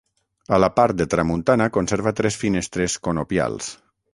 A la part de tramuntana conserva tres finestres conopials.